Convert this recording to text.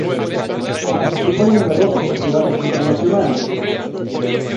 Participó en numerosos festivales internacionales.